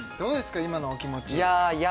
今のお気持ちいや